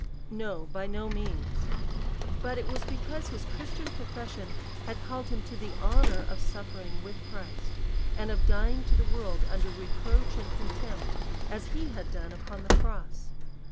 No, by no means. But it was because his Christian profession had called him to the honour of suffering with Christ, and of dying to the world under reproach and contempt, as he had done upon the cross.